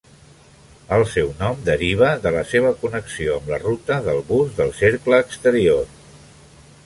El seu nom deriva de la seva connexió amb la ruta del bus del Cercle Exterior.